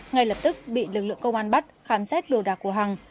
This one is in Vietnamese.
ngay lập tức bị lực lượng công an bắt khám xét đồ đạc của hằng